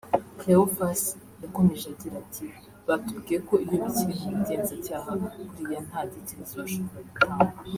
Cleophas yakomeje agira ati “Batubwiye ko iyo bikiri mu bugenzacyaha kuriya nta details bashobora gutanga